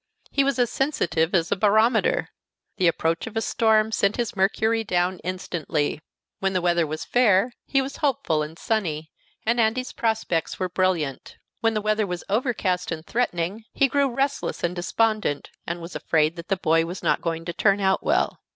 He was as sensitive as a barometer. The approach of a storm sent his mercury down instantly. When the weather was fair he was hopeful and sunny, and Andy's prospects were brilliant. When the weather was overcast and threatening he grew restless and despondent, and was afraid that the boy was not going to turn out well.